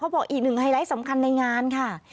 บอกอีกหนึ่งไฮไลท์สำคัญในงานค่ะ